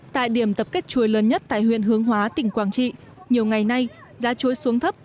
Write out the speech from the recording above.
tại điểm tập kết chuối lớn nhất tại huyện hướng hóa tỉnh quảng trị nhiều ngày nay giá chuối xuống thấp